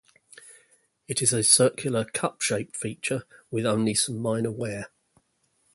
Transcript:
It is a circular, cup-shaped feature with only some minor wear.